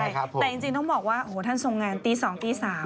แต่จริงต้องบอกว่าโอ้โหท่านทรงงานตี๒ตี๓